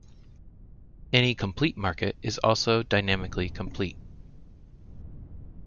Any complete market is also dynamically complete.